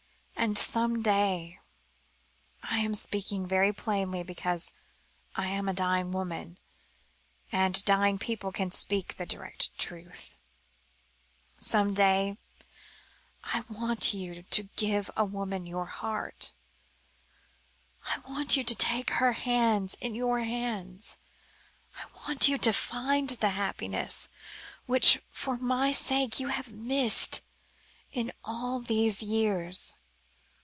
And, some day I am speaking very plainly because I am a dying woman, and dying people can speak the direct truth some day I want you to give a woman your heart; I want you to take her hands in your hands; I want you to find the happiness, which, for my sake, you have missed in all these years."